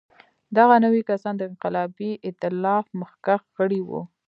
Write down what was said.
دغه نوي کسان د انقلابي اېتلاف مخکښ غړي وو.